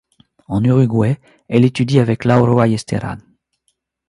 En Uruguay, elle étudie avec Lauro Ayestarán.